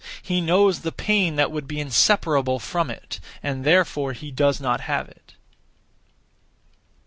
He knows the pain that would be inseparable from it, and therefore he does not have it.